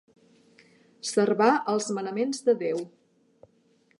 Servar els manaments de Déu.